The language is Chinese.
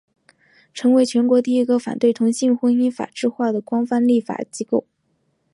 成为全国第一个反对同性婚姻法制化的官方立法机构。